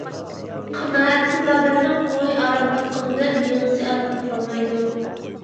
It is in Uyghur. قانائەتسىز ئادەمنىڭ قوڭى ئارام تاپقىنى بىلەن مېڭىسى ئارام تاپالمايدۇ.